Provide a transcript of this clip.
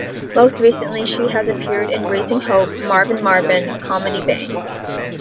Most recently, she has appeared in "Raising Hope", "Marvin Marvin", "Comedy Bang!